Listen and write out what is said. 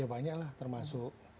ya banyak lah termasuk